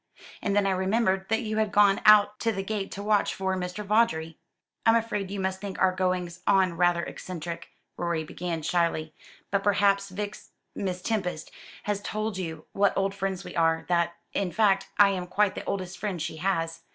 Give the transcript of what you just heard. And then I remembered that you had gone out to the gate to watch for Mr. Vawdrey." "I'm afraid you must think our goings on rather eccentric," Rorie began shyly; "but perhaps Vix Miss Tempest has told you what old friends we are; that, in fact, I am quite the oldest friend she has.